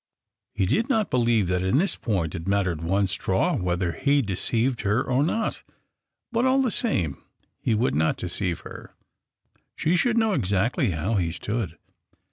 He did lot l)elieve that in this point it mattered one itraw whether he deceived her or not, but all ;he same he would not deceive her. She ihould know exactly how he stood.